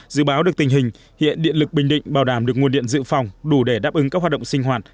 dự báo được tình hình hiện điện lực bình định bảo đảm được nguồn điện dự phòng đủ để đáp ứng các hoạt động sinh hoạt